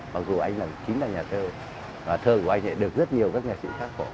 mặc dù anh chính là nhà thơ thơ của anh lại được rất nhiều các nhà sĩ phát phổ